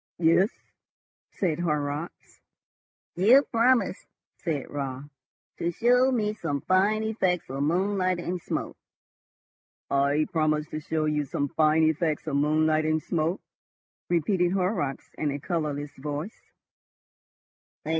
"Yes," said Horrocks. "You promised," said Raut, "to show me some fine effects of moonlight and smoke." "I promised to show you some fine effects of moonlight and smoke," repeated Horrocks in a colourless voice.